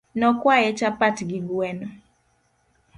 Nokwaye chapat gi gweno.